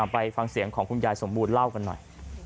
ไปฟังเสียงของคุณยายสมบูรณ์เล่ากันหน่อย